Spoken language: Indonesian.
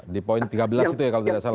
di poin tiga belas itu ya kalau tidak salah